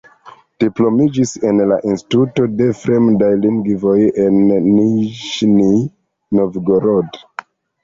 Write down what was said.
Diplomiĝis en la Instituto de fremdaj lingvoj en Niĵnij Novgorod.